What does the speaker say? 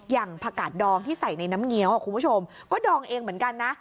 อย่างผักกาดดองที่ใส่ในน้ำเงี้ยวคุณผู้ชมก็ดองเองเหมือนกันนะ